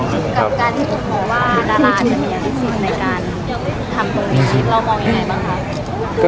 เรามองอย่างไรบ้างครับ